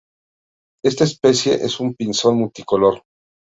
Esta especie es un pinzón multicolor.